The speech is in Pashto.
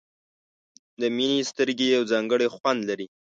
د مینې سترګې یو ځانګړی خوند لري.